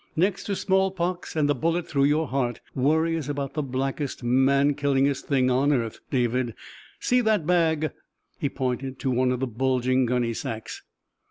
"Next to small pox and a bullet through your heart, worry is about the blackest, man killingest thing on earth, David. See that bag?" He pointed to one of the bulging gunny sacks.